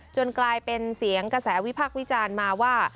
กลายเป็นเสียงกระแสวิพักษ์วิจารณ์มาว่า